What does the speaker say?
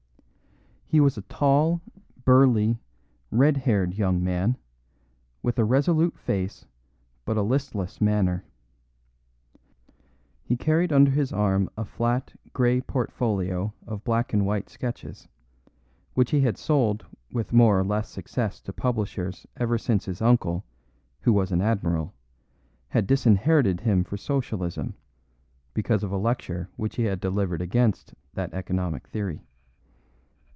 He was a tall, burly, red haired young man, with a resolute face but a listless manner. He carried under his arm a flat, grey portfolio of black and white sketches, which he had sold with more or less success to publishers ever since his uncle (who was an admiral) had disinherited him for Socialism, because of a lecture which he had delivered against that economic theory.